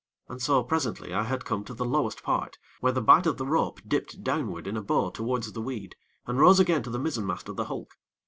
And so, presently, I had come to the lowest part, where the bight of the rope dipped downward in a bow towards the weed, and rose again to the mizzenmast of the hulk.